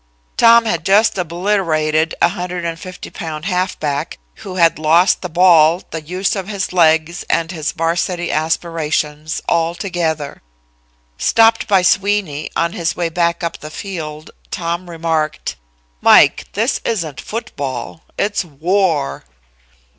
Tom had just obliterated a 150 pound halfback, who had lost the ball, the use of his legs and his Varsity aspirations altogether. Stopped by Sweeney, on his way back up the field, Tom remarked: "Mike, this isn't football. It's war."